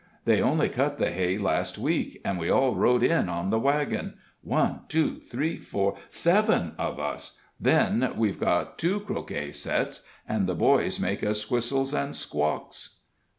They only cut the hay last week, and we all rode in on the wagon one, two, three, four seven of us. Then we've got two croquet sets, and the boys make us whistles and squalks."